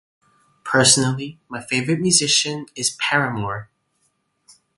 Personally, my favorite musician is Paramore.